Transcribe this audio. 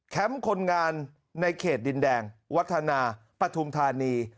คนงานในเขตดินแดงวัฒนาปฐุมธานี